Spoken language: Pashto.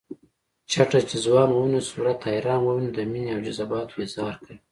چټه چې ځوان وويني صورت حیران وويني د مینې او جذباتو اظهار کوي